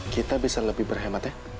kita bisa lebih berhemat ya